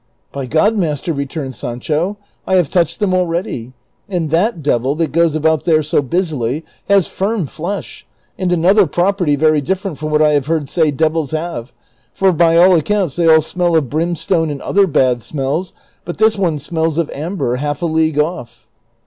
" By God, master," returned Sancho, " I have touched them already ; and that devil, that goes about there so biisily, has firm flesh, and another property very different from Avhat I have heard say devils have, for by all accounts they all sniell of brimstone and other bad smells ; but this one smells of amber half a league off."